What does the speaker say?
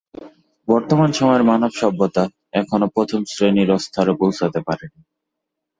বর্তমান সময়ে মানব সভ্যতা এখনও প্রথম শ্রেণির স্তরে পৌছাতে পারেনি।